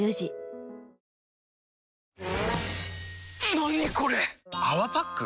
何これ⁉「泡パック」？